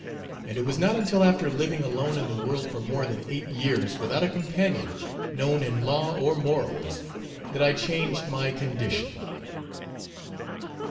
And it was not until after living alone in the world for more than eight years without a companion known in law or morals, that I changed my condition.